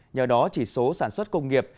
nhờ đó chỉ số sản xuất công nghiệp